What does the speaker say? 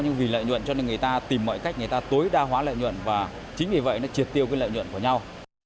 nhưng vì lợi nhuận cho nên người ta tìm mọi cách người ta tối đa hóa lợi nhuận và chính vì vậy nó triệt tiêu cái lợi nhuận của nhau